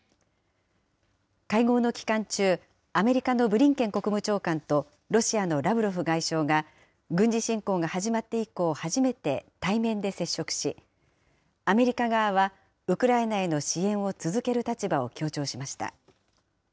会合の期間中、アメリカのブリンケン国務長官と、ロシアのラブロフ外相が、軍事侵攻が始まって以降初めて対面で接触し、アメリカ側はウクライナへの支援を続ける立場を強調しました。